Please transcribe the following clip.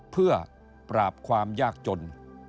เพื่อปราบความยากจน